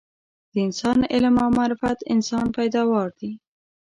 د انسان علم او معرفت انسان پیداوار دي